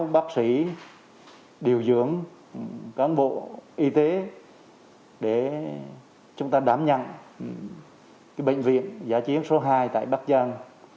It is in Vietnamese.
một trăm sáu mươi sáu bác sĩ điều dưỡng cán bộ y tế để chúng ta đảm nhận bệnh viện giả chiến số hai tại bắc giang